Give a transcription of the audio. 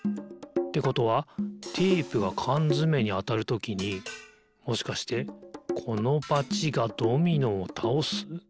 ってことはテープがかんづめにあたるときにもしかしてこのバチがドミノをたおす？